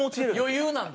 余裕なんだ。